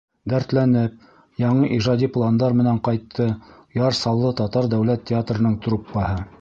Дәртләнеп, яңы ижади пландар менән ҡайтты Яр Саллы татар дәүләт театрының труппаһы.